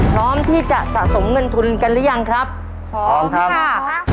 พร้อมที่จะสะสมเงินทุนกันหรือยังครับพร้อมครับพร้อมครับ